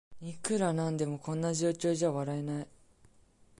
いくらなんでもこんな状況じゃ笑えない